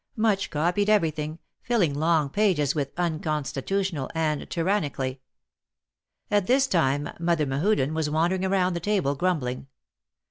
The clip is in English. Much copied everything, filling long pages with " unconstitutional " and " tyrannically." All this time Mother Mehuden was wandering around the table, grumbling.